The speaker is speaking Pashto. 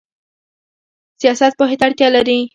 سیاست پوهې ته اړتیا لري